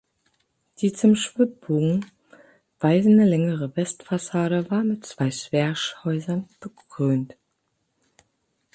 Die zum Schwibbogen weisende längere Westfassade war mit zwei Zwerchhäusern bekrönt.